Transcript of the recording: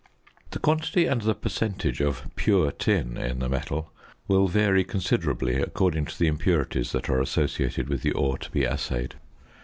The quality and the percentage of pure tin in the metal will vary considerably, according to the impurities that are associated with the ore to be assayed.